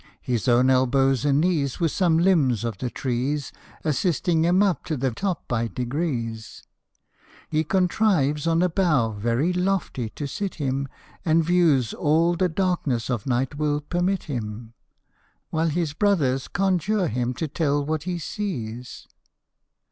His own elbows and knees, With some limbs of the trees, Assisting him up to the top by degrees, He contrives on a bough very lofty to sit him, And views all the darkness of night will permit him, While his brothers conjure him to tell what he sees.